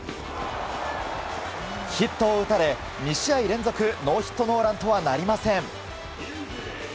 ヒットを打たれ、２試合連続ノーヒットノーランとはなりません。